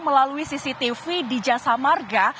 melalui cctv di jasa marga